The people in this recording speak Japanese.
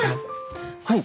はい。